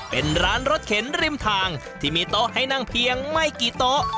เป็นร้านรถเข็นริมทางที่มีโต๊ะให้นั่งเพียงไม่กี่โต๊ะ